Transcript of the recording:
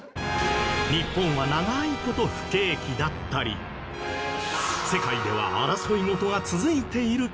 日本は長い事不景気だったり世界では争い事が続いているけど